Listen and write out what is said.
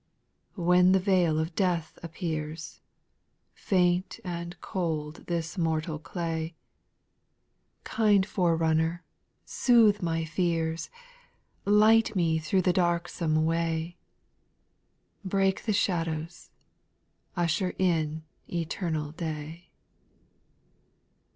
\ 7. When the vale of death appears. Faint and cold this mortal clay. Kind Forerunner, soothe my fears, Light me through the darksome way — Break the shadows. Usher in eternal day.